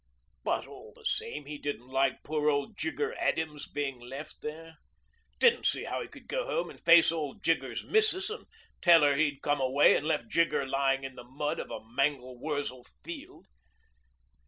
But all the same he didn't like poor old 'Jigger' Adams being left there didn't see how he could go home and face old 'Jigger's' missus and tell her he'd come away and left 'Jigger' lying in the mud of a mangel wurzel field.